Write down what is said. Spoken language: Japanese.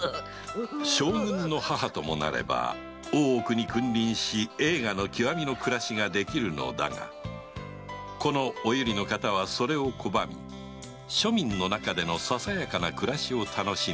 将軍の母ともなれば大奥に君臨し栄華の極みの暮らしができるがこのお由利の方はそれを拒み庶民の中でのささやかな暮らしを楽しんでいた